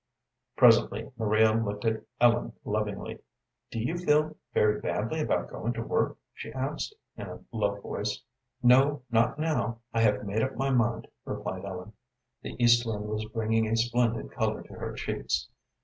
Presently Maria looked at Ellen lovingly. "Do you feel very badly about going to work?" she asked, in a low voice. "No, not now. I have made up my mind," replied Ellen. The east wind was bringing a splendid color to her cheeks.